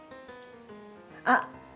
あっ！